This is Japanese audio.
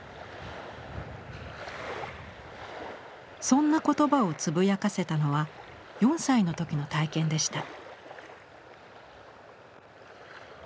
そんな言葉をつぶやかせたのは４歳の時の体験でした。